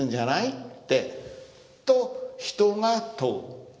ってと人が問う。